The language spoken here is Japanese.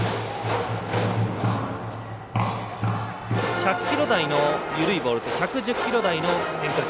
１００キロ台の緩いボールと１１０キロ台の変化球。